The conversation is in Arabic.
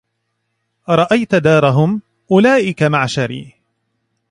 أرأيت دارهم أولئك معشري